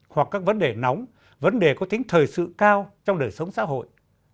hoặc các vấn đề nóng vấn đề có tính thời sự cao trong đời sống xã hội